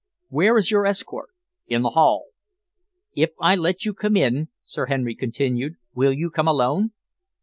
"Where is your escort?" "In the hall." "If I let you come in," Sir Henry continued, "will you come alone?"